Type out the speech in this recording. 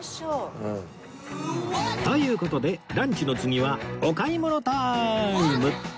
という事でランチの次はお買い物ターイム！